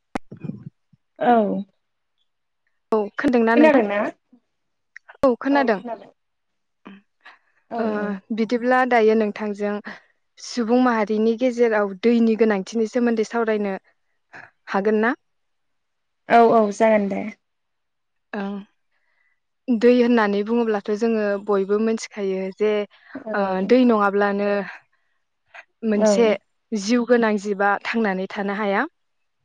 [unintelligible] औ। औ [unintelligible] खोनादोंना [unintelligible] औ खोनादों। औ ओ बिदिब्ला। दायो नोंथांजों सुबुं माहारिनि गेजेराव दैनि गोनांथिनि सोमोन्दै सावरायनो हागोन ना? औ औ जागोन दे। ओं दै होननानै बुङोब्लाथ' जोङो बयबो मिथिखायो। जे औ ओ दै नङाब्लानो औ मोनसे जिउ गोनां जिबा थांनानै थानो हाया।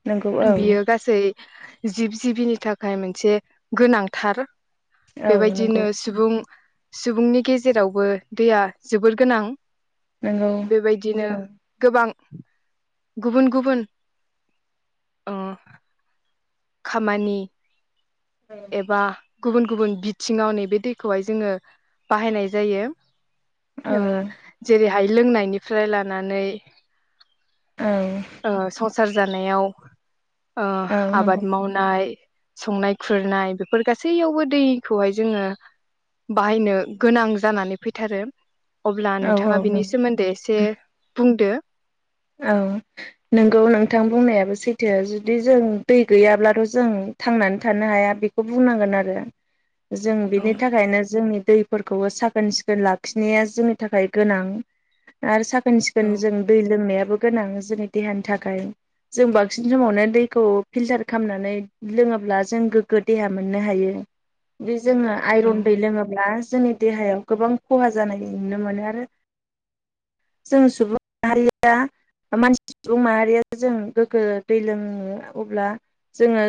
नंगौ औ बियो गासै जिब जिबिनि थाखाय मोनसे गोनांथार। औ नंगौ बेबायदिनो सुबुं सुबुंनि गेजेरावबो दैया जोबोर गोनां। नंगौ बेबायदिनो औ गोबां गुबुन गुबुन अ खामानि औ एबा। गुबुन गुबुन बिथिङाव नै बे दैखौहाय जोङो बाहायनाय जायो। ओ औ जेरैहाय। लोंनायनिफ्राय लानानै। औ ओ संसार जानायाव अ आबाद नंगौ मावनाय संनाय खुरनाय बेफोर गासैयावबो दैखौहाय जोङो बाहायनो गोनां जानानै फैथारो अब्ला औ नोंथाङा औ बिनि नंगौ सोमोन्दै एसे बुंदो औ नोंगौ नोंथां बुंनायाबो सैथो जुदि जों दै गैयाब्लाथ' जों थांनानै थानो हाया बेखौ बुंनांगोन आरो जों औ बिनि थाखायनो जोंनि दैफोरखौबो साखोन सिखोन लाखिनाया जोंनि थाखाय गोनां आरो सा साखोन सिखोन औ जों दै लोंनाया गोनां जोंनि देहानि थाखाय जों बांसिन समावनो दैखौ फिल्टार खालामनानै लोङोब्ला जों गोग्गो देहा मोननो हायो जोङो औ आइरन दै लोङोब्ला जोंनि देहायाव गोबां खहा जानाय नुनो मोनो आरो जों सुबुं माहारिया मानसि सुबुं माहारिया जों गोग्गो दै लोङो अब्ला जोङो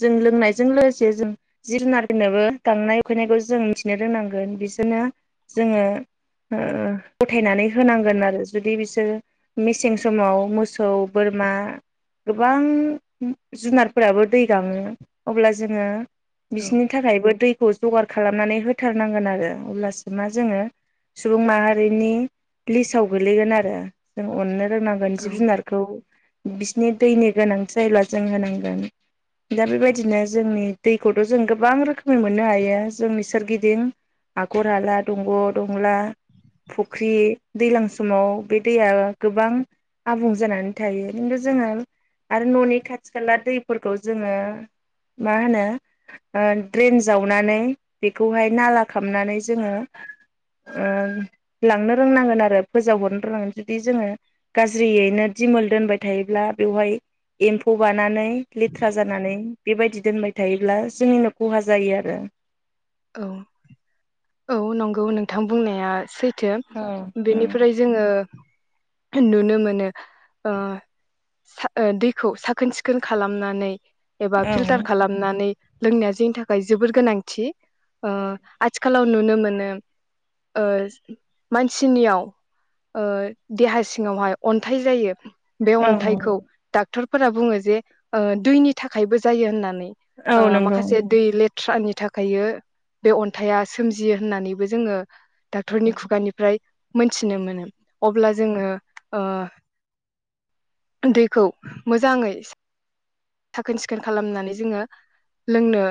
जों लोंनायजों लोगोसे जों जिब जुनारनोबो गांनाय उखैनायखौ जों मिथिनो रोंनांगोन बिसोरनो जोङो ओ गथायनानै होनांगोन आरो जुदि बिसोरो मेसें समाव मोसौ बोरमा गोबां जुनारफोराबो दै गाङो अब्ला जोङो औ बिसोरनि थाखायबो दै खौ जगार खालामनानै होथारनांगोन आरो अब्लासो मा जोङो सुबुं माहारिनि लिस्टाव गोलैगोन आरो जों अनो रोंनांगोन जिब औ जुनारखौ। बिसिनि दैनि गोनांथि जायोब्ला जों होनांगोन दा बेबायदिनो जोंनि दैखौथ' जों गोबां रोखोमै मोननो हायो जोंनि सोरगिदिं हाखर हाला दंग' दंला फुख्रि दैज्लां समाव बे दैया गोबां आबुं जानानै थायो खिन्थु जोङो आरो न'नि खाथि खाला दैफोरखौ जोङो मा होनो द्रेन जावनानै बेखौहाय नाला खालामामनानै जोङो ओ लांनो रोंनांगोन आरो फोजावहरनो रोंनांगोन जुदि जोङो गाज्रियैनो दिमोल दोनबाय थायोब्ला बेवहाय एम्फौ बारो लानानै लेथ्रा जानानै बेबायदि दोनबाय थायोब्ला जोंनिनो खहा जायो आरो औ औ नंगौ नोंथां बुंनाया सैथ औ बेनिफ्राय जोङो नुनो मोनो ओ ओ दैखौ साखोन सिखोन खालामनानै एबा फिलटार खालामनानै लोंनाया जोंनि थाखाय जोबोर गोनांथि ओ आथिखालाव नुनो मोनो ओ मानसिनियाव ओ देहा सिङावहाय अन्थाइ जायो बे औ अन्थाइखौ डाक्टर फोरा बुङो जे दैनि थाखायबो जायो होननानै औ ओ नंगौ माखासे दै ले ट्ररानि थाखाय गायो बे अन्थाइा सोमजियो होननानैबो जोङो औ डाक्टरनि खुगानिफ्राय मोनथिनो मोनो। अब्ला जोङो ओ दैखौ मोजाङै साखोन-सिखोन खालामनानै जोङो लोंनो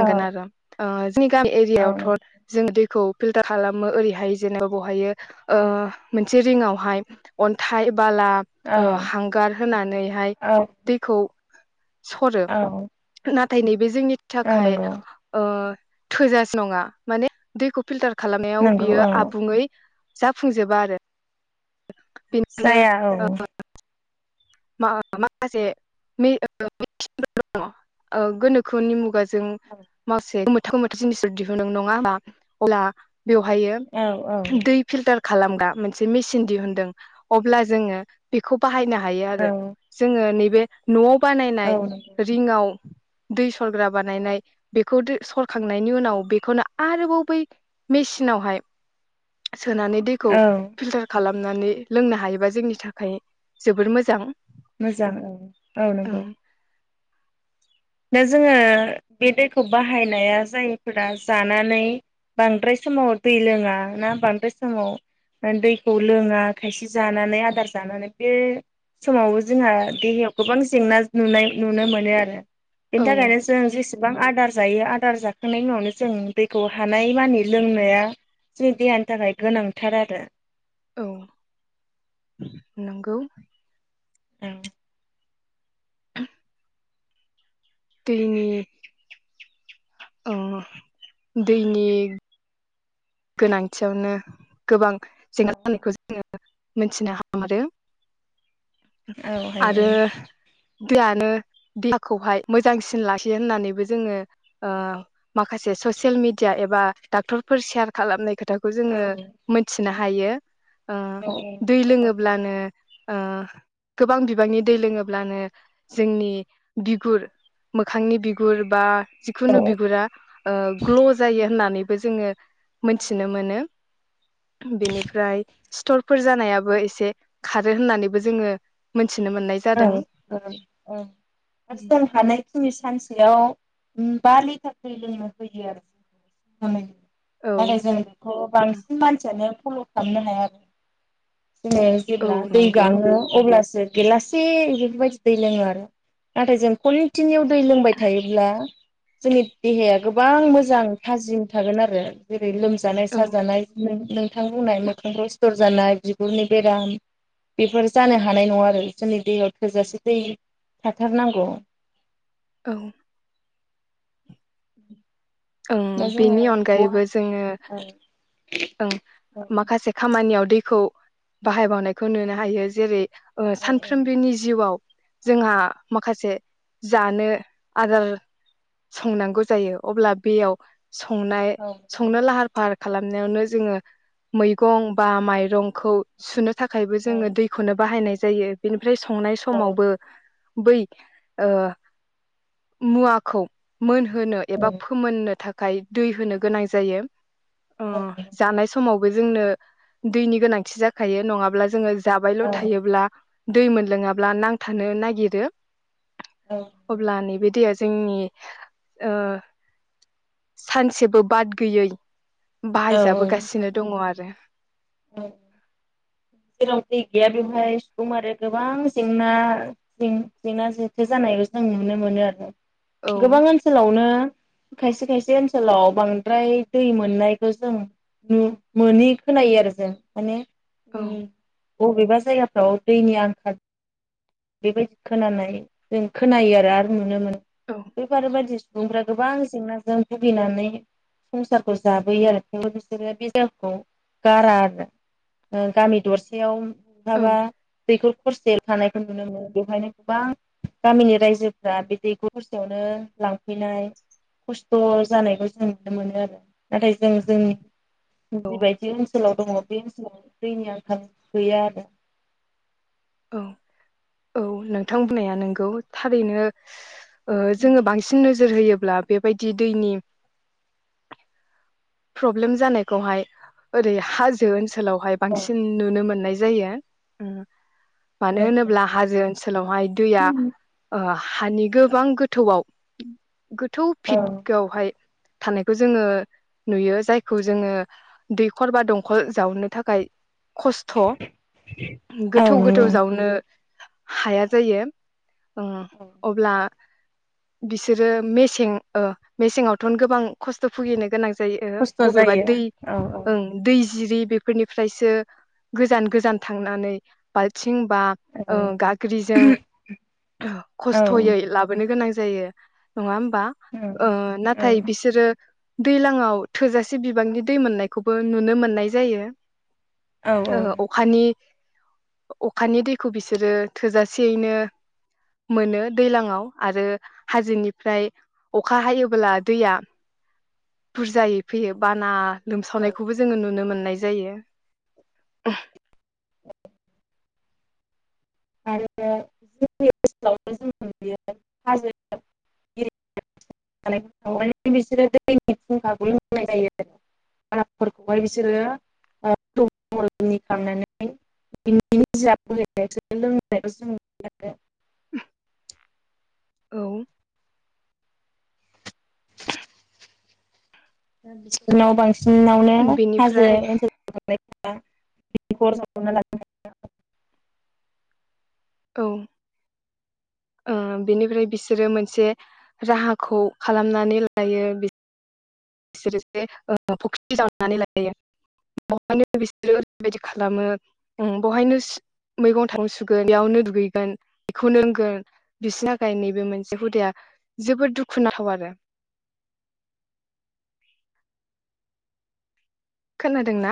औ आरो। ओ जोंनि गामि एरियाायावथ' औ जों दै खौ फिलतार खालामो ओरैहाय जेनेबा बेह मोनसे रिंवहाय अन्थाय बाला औ हांगार होनानैहाय दैखौ सरो औ ना थायनि बे जोंनि औ थाखाय नंगौ ओ थोजासे नङा माने दैखौ फिलतार खालामनायाव नंगौ बियो औ आबुङै जाफुंजोबा आरो बेनिखायनो जाया औ माखासे दङ गोनोखोनि मुगा जों जों गोमोथाव गोमोथाव जिनिसफोर दिहुनो नङा होमब्ला बेवहायो औ औ दै फिल्टार खालामग्रा मोनसे मेचिन दिहुनदों अब्ला जोङो बेखौ बाहायनो हायो आरो जोङो नैे बे न'आव बानायनाय औ नंगौ रिङाव दै सरग्रा बानायनाय बेखौ दै सरखांनायनि उनाव बेखौनो आरोबाव बै मेसिनावहाय सोनानै दैखौ औ फिल्टार खालामनानै लोंनो हायोबा जोंनि थाखाय जोबोर मोजां मोजां औ औ नंगौ ओं दा जोङो बे दैखौ बाहायनाया जायफोरा जानानै बांद्राय समाव दै लोङा ना बांद्राय समाव दैखौ लोङा खायसे जानानै आदार जानानै बे समावबो जोंहा देहायाव गोबां जेंना नुनाय नुनो मोनो आरो बेनि औ थाखायनो जों जेसे बां आदार जायो आदार जाखांनायनि उनावनो जों दैखौ हानाय मानि लोंनाया जोंनि देहानि थाखाय गोनांथार आरो औ नंगौ औ दैनि अ दैनि गोनांथियावनो गोबां जेंना जानायखौ जोङो मोनथिनो हादों औ हायो आरो दानो देहाखौहाय मोजांसिन लाखियो होननानैबो जोङो ओ माखासे ससियेल मिडिया एबा डाक्टरफोर सेयार खालामनायखौ खोथाखौ औ जोङो मोनथिनो हायो हायो ओ दै लोङोब्लानो ओ गोबां बिबांनि दै लोङोब्लानो जोंनि बिगुर मोखांनि बिगुर बा जिखुनु औ बिगुरा ग्ल' जायो होननानै बो जोङो मोनथिनो मोनो बेनिफ्राय स्थरफोर जानायाबो एसे खारो होननानैबो जोङो मोनथिनो मोननाय औ जादों औ औ [unintelligible] जों हानायखिनि सानसेयाव बा लिटार दै लोंनो होयो आरो औ नाथाय जों बेखौ बांसिन मानसियानो फल' खालामनो हाया आरो जोङो औ जेब्ला दै नंगौ गाङो अब्ला गेलासे बेफोरबायदि दै लोङो आरो नाथाय जों खनथिनिउ दै लोंबाय थायोब्ला जोंनि देहाया गोबां मोजां थाजिम थागोन आरो ओरो लोमजानाय औ साजानाय नोंथां बुंनाय मोखांफोराव सिथर जानाय बिगुरनि बेराम बेफोर जानो हानाय नङा आरो जोंनि दैयाव थोजासे दै थाथारनांगौ औ दा ओं जोङो बेनि औ अनगायैबो जोङो औ ओं औ माखासे खामानियाव दैखौ बाहायबावनायखौ नुनो हायो जेरै औ सानफ्रोमबोनि जिउआव जोंहा माखासे जानो आदार संनांगौ जायो अब्ला बेयाव संनाय संनो लाहार फाहार खालामनायावनो जोङो मैगं बा माइरंखौ सुनो थाखायबो जोङो दैखौनो बाहायनाय जा जायो बेनि ओमफ्राय संनाय समावबो बै ओ मुवाखौ मोन होनो एबा नो थाखाय दै होनो गोनां जायो अ औ जानाय समाव बो जोंनो दैनि गोनांथि जाखायो नङाब्ला जोंङो जाबायल औ थायोब्ला दै मोनलोङाब्ला नांथानो नागिरो अब्ला नैबे दैया जोंनि ओ सानसेबो बाद गैयै औ बाहायजाबोगासिनो दङ आरो औ जेराव दै गैया बेवहाय सुबुं माहारिया आरो गोबां जेंना‌ जेंना जेंथो जानाय खौ जों नुनो मोनो आरो औ गोबां ओनसोलावनो खायसे खायसे ओनसोलाव बांद्राय दै मोननायखौ जों मोनि खोनायो आरो जों माने औ उम बबेबा जायगाफ्राव दैनि आंखाल बेबायदि खोनानाय जों खोनायो आरो आरो नुनो मोनो औ बेफार बायदि सुबुंफोरा गोबां जेंनाजों भुगिनानै संसारखौ जाबोयो आरो थेवबो बिसोरो बे जायगाखौ गारा आरो ओ गामि दरसेयाव औ मबा दैखर खरसे थानाय खौ‌ नुनो मोनो बेवहायनो गोबां गामिनि रायजोफ्रा बे दैख हरसेयावनो लांफैनाय खस्थ जानायखौ जों नुनो मोनो आरो नाथाय जों जोंनि जिबायदि ओनसोलाव दङ बे ओनसोलाव दैनि आंखाल गैया आरो औ औ नोंथां बुंनाया नोंगौ थारैनो ओ जोङो बांसिन नो नोजोर होयोब्ला बेबायदि दैनि प्रब्लेम जानायखौहाय ओरै हाजो ओनसो लावहाय औ बांसिन नुनो मोननाय जायो ओ मानो औ होनोब्ला हाजो ओनसोलावहाय दैया ओ हानि गोबां गोथौआव ‌ गोथौ औ फिदआवहाय थानायखौ जोङो नुयो जायखौ जोङो दैखर बा दंखल जावनो थाखाय खस्थ' औ गोथौ गोथौ नंगौ जावनो हाया जायो। ओ अब्ला बिसोरो मेसें ओ मेसेंआवथ' गोबां खस्थ' भुगिनो गोनां जायो खस्थ' बबेबा जायो दै औ औ ओं दै बिदि बेफोरनिफ्रायसो गोजान गोजान थांनानै बा लथिं बा औ ओ गग्रिजों खस्थयै लाबोनो गोनां जायो नङा होम बा औ ओ नाथाय औ बिसोरो दैलां आव थोजासे बिबांनि दै मोननायखौबो नुनो मोननाय जायो। औ ओ अखानि अखानि दैखौ बिसोरो थोजासेयैनो मोनो दैलाङाव आरो हाजोनिफ्राय अखा हायोब्ला दैया बुरजायै फैयो बाना औ लोमसावनायखौबो जोङो नुनो मोना य जायो। आरो जों ओनसोलाव जों नुयो हाजो [unintelligible] बिसोरो दैनि फुंखाखौ बुंनाय जायो आरो फोरखौहाय बिसोरोनि खालामनानै [unintelligible] लोंनायखौ जों नु [unintelligible] औ बिसोरनाव बांसिनावनो हाजो बेनिफ्राय ओनसोल [unintelligible] औ ओ बेनिफ्राय बिसोरो मोनसे राहाखौ खालामनानै लायो बिसोर जे फुख्रि जावनानै लायो बेहायनो बिसोरो ओरैबायदि खालामो उम बहायनो मैगं थाइगं सुगोन बेयावनो दुगैगोन बेखौनो लोंगोन बिसोरनि थाखाय नैबे मोनसे हुदाया जोबोद दुखु नांथाव आरो। खोनादोंना?